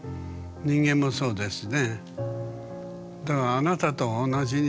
人間もそうですね。